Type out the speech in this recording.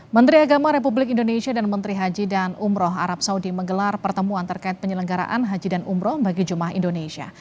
menteri agama republik indonesia dan menteri haji dan umroh arab saudi menggelar pertemuan terkait penyelenggaraan haji dan umroh bagi jemaah indonesia